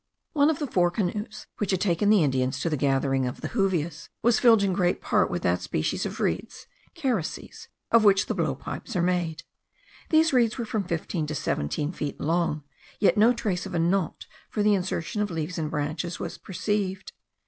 One of the four canoes, which had taken the Indians to the gathering of the Juvias, was filled in great part with that species of reeds (carices) of which the blow tubes are made. These reeds were from fifteen to seventeen feet long, yet no trace of a knot for the insertion of leaves and branches was perceived.